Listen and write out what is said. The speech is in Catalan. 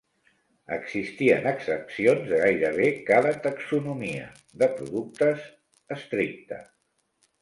Existien excepcions de gairebé cada taxonomia de productes estricta.